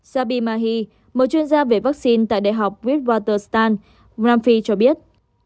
sabi mahi một chuyên gia về vaccine tại đại học whitwater stan nam phi cho biết